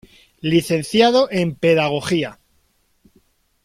Licenciado en Pedagogía.